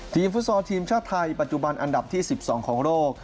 ฟุตซอลทีมชาติไทยปัจจุบันอันดับที่๑๒ของโลก